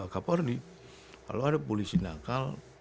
kalau ada polisi nakal